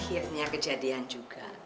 akhirnya kejadian juga